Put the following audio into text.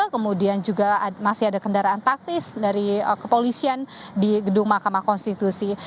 kemudian juga masih ada kendaraan taktis dari kepolisian di gedung mahkamah konstitusi